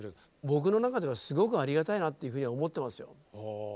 僕の中ではすごくありがたいなっていうふうには思ってますよ。